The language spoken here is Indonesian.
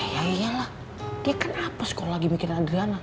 ya iyalah dia kan apes kalau lagi mikirin adriana